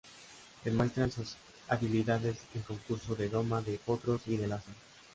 Demuestran sus habilidades en concursos de doma de potros y de lazo".